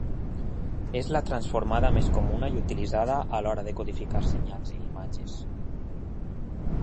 És la transformada més comuna i utilitzada a l'hora de codificar senyals i imatges.